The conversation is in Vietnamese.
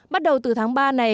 bắt đầu từ tháng ba này